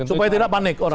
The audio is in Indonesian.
supaya tidak panik orang